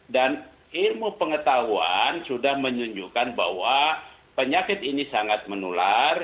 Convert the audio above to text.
dan ilmu pengetahuan sudah menunjukkan bahwa penyakit ini sangat menular